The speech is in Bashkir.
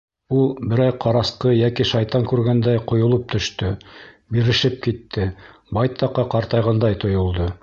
Ул берәй ҡарасҡы йәки шайтан күргәндәй ҡойолоп төштө, бирешеп китте, байтаҡҡа ҡартайғандай тойолдо.